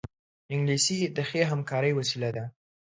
انګلیسي د ښې همکارۍ وسیله ده